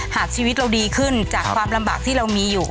หากชีวิตเราดีขึ้นจากความลำบากที่เรามีอยู่